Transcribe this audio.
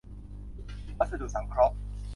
วัสดุสังเคราะห์